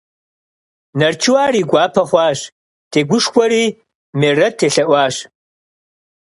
Нарчу ар и гуапэ хъуащ, тегушхуэри Мерэт елъэӀуащ.